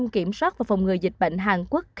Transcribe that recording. tổ chức kiểm soát và phòng ngừa dịch bệnh hàn quốc